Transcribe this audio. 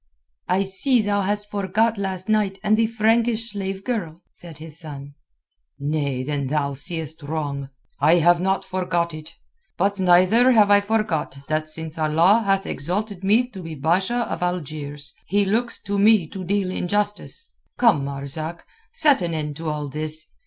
"I see thou hast forgot last night and the Frankish slave girl," said his son. "Nay, then thou seest wrong. I have not forgot it. But neither have I forgot that since Allah hath exalted me to be Basha of Algiers, He looks to me to deal in justice. Come, Marzak, set an end to all this.